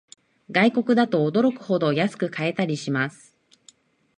外国だと驚くほど安く買えたりします